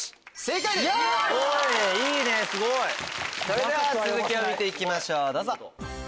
それでは続きを見て行きましょうどうぞ。